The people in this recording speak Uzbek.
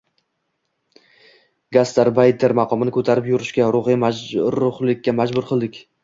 Gastarbayter maqomini ko‘tarib yurishga, ruhiy majruhlikka majbur qildik.